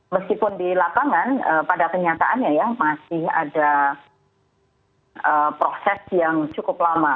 meskipun di lapangan pada kenyataannya ya masih ada proses yang cukup lama